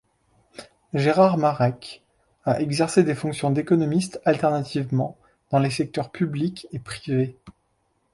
Gérard Maarek a exercé des fonctions d’économiste alternativement dans les secteurs public et privé.